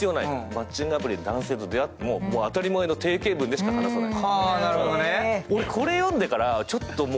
マッチングアプリで男性と出会っても当たり前の定型文でしか話さない。